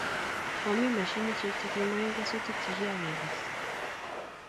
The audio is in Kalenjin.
mamii mashinisiek che kimaen kesutik chi kiakekes